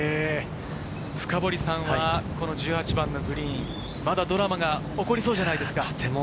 深堀さん、１８番のグリーン、ドラマが起こりそうじゃないですか？